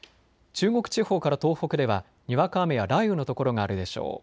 中国地方から東北ではにわか雨や雷雨の所があるでしょう。